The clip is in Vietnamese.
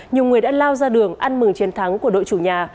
nhiều người đã lao ra đường ăn mừng chiến thắng của đội chủ nhà